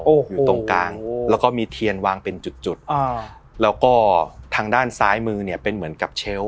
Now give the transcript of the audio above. โอ้โหอยู่ตรงกลางแล้วก็มีเทียนวางเป็นจุดจุดอ่าแล้วก็ทางด้านซ้ายมือเนี่ยเป็นเหมือนกับเชลล์